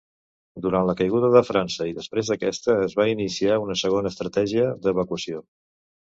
Durant la caiguda de França i després d'aquesta, es va iniciar una segona estratègia d'evacuació.